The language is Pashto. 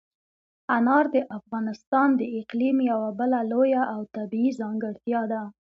انار د افغانستان د اقلیم یوه بله لویه او طبیعي ځانګړتیا ده.